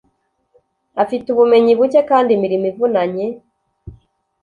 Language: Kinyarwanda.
afite ubumenyi buke kandi imirimo ivunanye